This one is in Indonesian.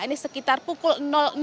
ini sekitar pukul